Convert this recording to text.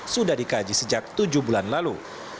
sudah dikaji sejak tujuh bulan lalu